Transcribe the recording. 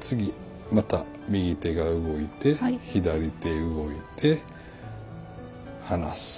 次また右手が動いて左手動いて離す。